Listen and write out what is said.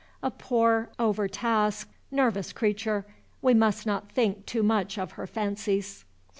A poor, over tasked, nervous creature, we must not think too much of her fancies.